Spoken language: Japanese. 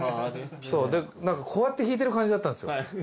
こうやって弾いてる感じだったんですよ。